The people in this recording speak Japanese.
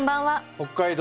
「北海道道」